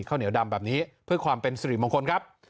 ข้าวเหนียวดำแบบนี้เพื่อความเป็นสิริมงคลครับ